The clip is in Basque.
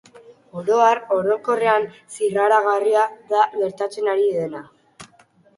Oro har, Orokorrean, zirraragarria da gertatzen ari dena.